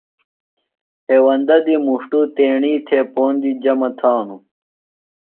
ہیوندہ دی مُݜٹوۡ تیݨی تھےۡ پوندی جمہ تھانوۡ۔